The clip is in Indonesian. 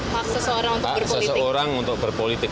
hak seseorang untuk berpolitik